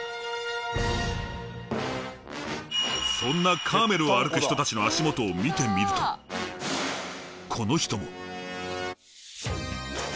そんなカーメルを歩く人たちの足元を見てみるとこの人も。